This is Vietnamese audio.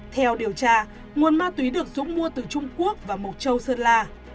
theo điều tra nguồn ma túy được dũng mua từ trung quốc và mộc châu sơn la